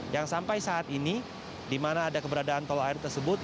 yang sampai saat ini di mana ada keberadaan tol air tersebut